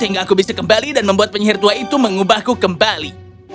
sehingga aku bisa kembali dan membuat penyihir tua itu mengubahku kembali